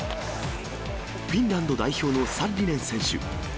フィンランド代表のサッリネン選手。